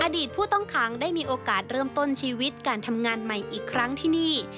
ผู้ต้องขังได้มีโอกาสเริ่มต้นชีวิตการทำงานใหม่อีกครั้งที่นี่